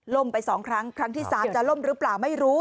ไป๒ครั้งครั้งที่๓จะล่มหรือเปล่าไม่รู้